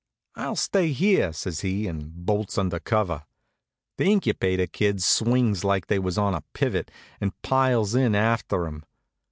"I'll stay here," says he, and bolts under cover. The Incubator kids swings like they was on a pivot, and piles in after him.